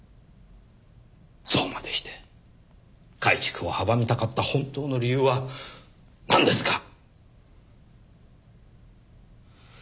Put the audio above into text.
そうまでして改築を阻みたかった本当の理由はなんですか？